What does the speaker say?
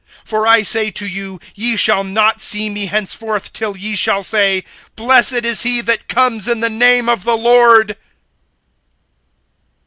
(39)For I say to you, ye shall not see me henceforth, till ye shall say: Blessed is he that comes in the name of the Lord.